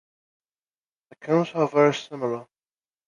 The cones are very similar.